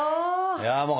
いやもう